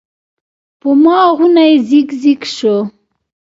پۀ ما غونے زګ زګ شۀ ـ